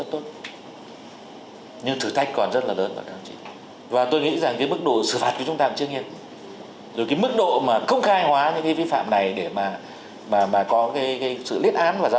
họi người đã remain subscribe like continua để ủng hộ kênh nhé